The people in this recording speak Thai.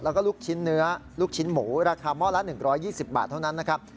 แล้วก็ลูกชิ้นเนื้อลูกชิ้นหมูราคาหม้อละ๑๒๐บาทเท่านั้นนะครับ